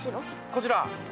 こちら。